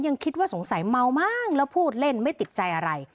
ยังคิดว่าสงสัยเมามั้งแล้วพูดเล่นไม่ติดใจอะไร